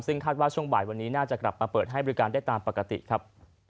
ซึ่งคาดว่าช่วงบ่ายวันนี้น่าจะกลับมาเปิดให้บริการได้ตามปกติครับ